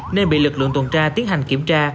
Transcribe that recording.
nên bị lực lượng tuần tra tiến hành kiểm tra